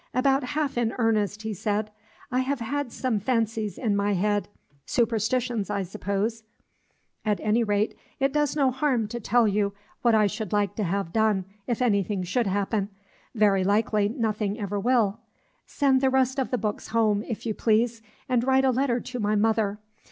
"About half in earnest," he said. "I have had some fancies in my head, superstitions, I suppose, at any rate, it does no harm to tell you what I should like to have done, if anything should happen, very likely nothing ever will. Send the rest of the books home, if you please, and write a letter to my mother.